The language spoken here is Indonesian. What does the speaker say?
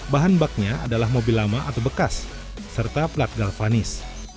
bahan baknya adalah mobil lama atau bekas serta plat galvanis